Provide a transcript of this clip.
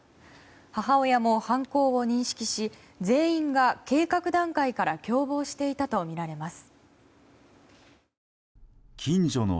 母親も犯行を認識し、全員が計画段階から共謀していたとみられます。